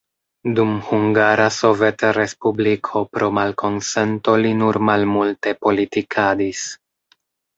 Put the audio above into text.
Dum Hungara Sovetrespubliko pro malkonsento li nur malmulte politikadis.